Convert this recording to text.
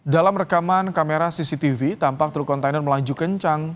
dalam rekaman kamera cctv tampak truk kontainer melaju kencang